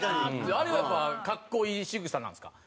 あれはやっぱ格好いいしぐさなんですか？